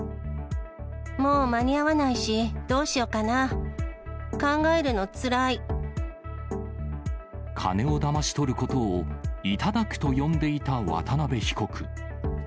もう間に合わないし、どうし金をだまし取ることを、頂くと呼んでいた渡辺被告。